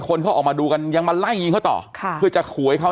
คนเขาออกมาดูกันยังมาไล่ยิงเขาต่อค่ะเพื่อจะขู่ให้เขา